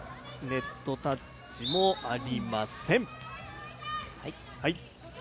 ネットタッチもありません。